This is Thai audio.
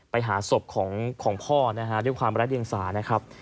ไปหาศพของพ่อนะฮะด้วยความรักเรียงสานะครับ